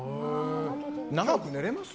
長く寝れます？